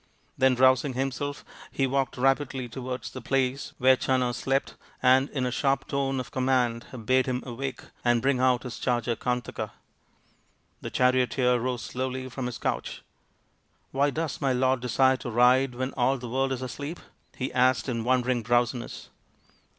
Then, rousing him self, he walked rapidly towards the place where Channa slept and in a sharp tone of command bade him awake and bring out his charger Kantaka. The charioteer rose slowly from his couch. " Why does my lord desire to ride when all the world is asleep ?" he asked in wondering drowsi ness.